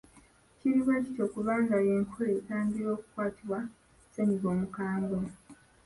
Kiri bwe kityo kubanga y’enkola etangira okukwatibwa ssennyiga omukambwe.